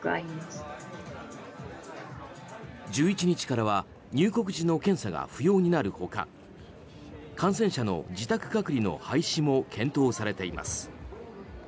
１１日からは入国時の検査が不要になる他感染者の自宅隔離の廃止も検討されています。